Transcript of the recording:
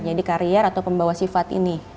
jadi karier atau pembawa sifat ini